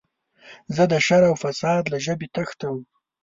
زه د شر او فساد له ژبې تښتم.